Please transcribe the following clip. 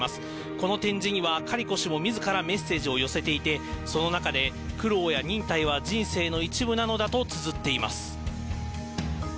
この展示には、カリコ氏もみずからメッセージを寄せていて、その中で、苦労や忍耐は人生の一部なのだとつづっています。